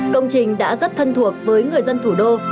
công trình đã rất thân thuộc với người dân thủ đô